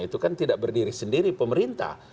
itu kan tidak berdiri sendiri pemerintah